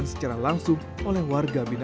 masyarakat juga richtig penat